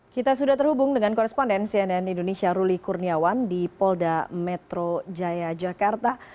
kita sudah terhubung dengan koresponden cnn indonesia ruli kurniawan di polda metro jaya jakarta